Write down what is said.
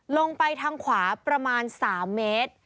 ลงไปทางขวาประมาณ๓เมตร